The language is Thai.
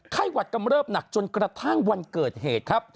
ไข้หวัดกำเริบหนักจนกระทั่งวันเกิดเหตุครับ